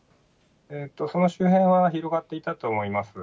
その周辺は、広がっていたと思います。